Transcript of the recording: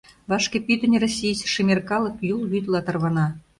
Вашке пӱтынь Российысе шемер калык Юл вӱдла тарвана.